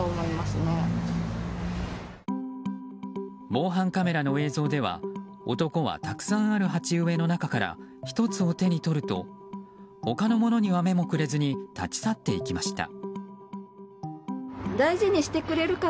防犯カメラの映像では男はたくさんある鉢植えの中から１つを手に取ると他のものには目もくれずに立ち去っていきました。